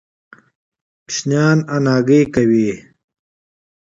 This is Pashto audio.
ماشومان پټ پټانې کوي.